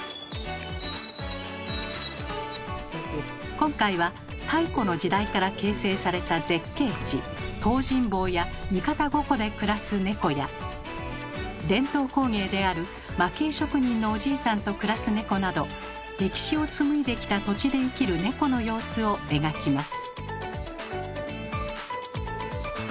今回は太古の時代から形成された絶景地東尋坊や三方五湖で暮らすネコや伝統工芸である蒔絵職人のおじいさんと暮らすネコなど歴史を紡いできた土地で生きるネコの様子を描きます。